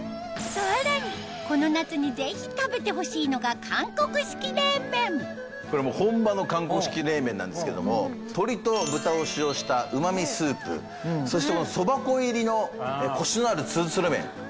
さらにこの夏にぜひ食べてほしいのが本場の韓国式冷麺なんですけれども鶏と豚を使用した旨味スープそしてそば粉入りのコシのあるつるつる麺。